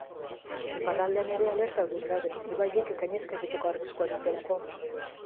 Iparraldean ere alerta horian daude ibaiek gainezka egiteko arriskua dutelako.